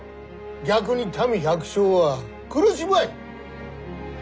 逆に民百姓が苦しむわい。